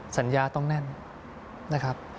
สัญญาต้องแน่นนะครับ